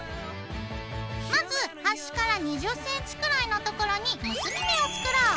まずはしから２０ｃｍくらいのところに結び目を作ろう。